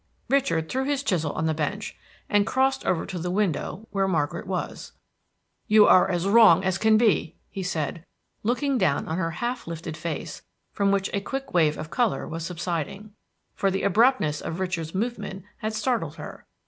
Richard threw his chisel on the bench, and crossed over to the window where Margaret was. "You are as wrong as you can be," he said, looking down on her half lifted face, from which a quick wave of color was subsiding; for the abruptness of Richard's movement had startled her.